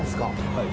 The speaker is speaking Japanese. はい。